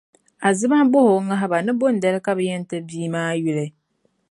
Azima bɔhi o ŋahiba ni bɔndali ka bɛ yɛn ti bia maa yuli?